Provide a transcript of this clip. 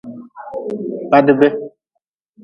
Badbe.